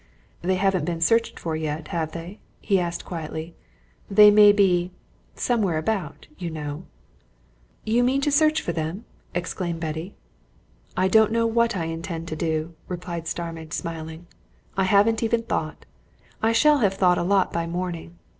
"They haven't been searched for yet, have they?" he asked quietly. "They may be somewhere about, you know." "You mean to search for them?" exclaimed Betty. "I don't know what I intend to do," replied Starmidge, smiling. "I haven't even thought. I shall have thought a lot by morning.